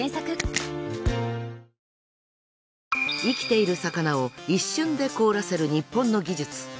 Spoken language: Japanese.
生きている魚を一瞬で凍らせる日本の技術。